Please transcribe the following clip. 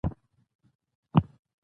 زه هره ورځ د خپل کار د ښه کولو هڅه کوم